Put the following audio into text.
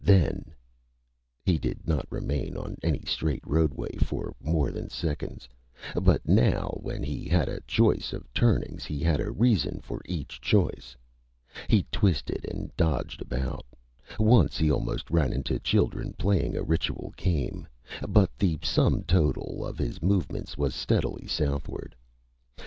Then He did not remain on any straight roadway for more than seconds. But now when he had a choice of turnings, he had a reason for each choice. He twisted and dodged about once he almost ran into children playing a ritual game but the sum total of his movements was steadily southward.